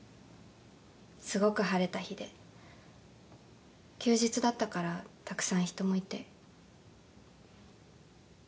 すごく晴れた日で休日だったからたくさん人もいて。